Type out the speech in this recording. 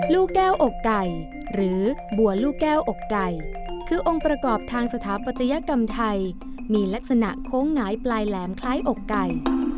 ลูกแก้วอกไก่หรือบัวลูกแก้วอกไก่คือองค์ประกอบทางสถาปัตยกรรมไทยมีลักษณะโค้งหงายปลายแหลมคล้ายอกไก่